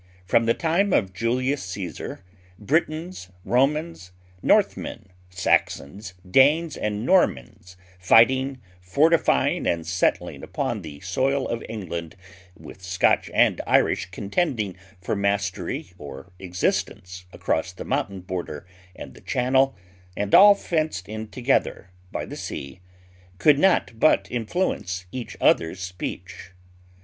From the time of Julius Cæsar, Britons, Romans, Northmen, Saxons, Danes, and Normans fighting, fortifying, and settling upon the soil of England, with Scotch and Irish contending for mastery or existence across the mountain border and the Channel, and all fenced in together by the sea, could not but influence each other's speech.